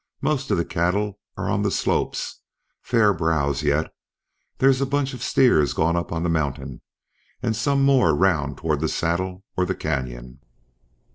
Most of the cattle are on the slopes; fair browse yet. There's a bunch of steers gone up on the mountain, and some more round toward the Saddle or the canyon."